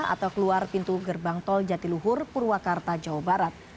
atau keluar pintu gerbang tol jatiluhur purwakarta jawa barat